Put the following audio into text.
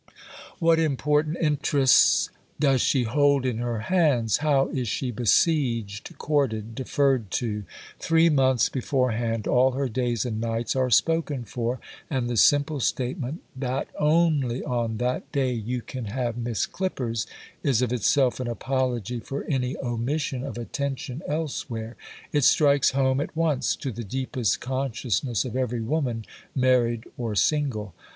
What important interests does she hold in her hands! How is she besieged, courted, deferred to! Three months beforehand, all her days and nights are spoken for; and the simple statement, that only on that day you can have Miss Clippers, is of itself an apology for any omission of attention elsewhere,—it strikes home at once to the deepest consciousness of every woman, married or single.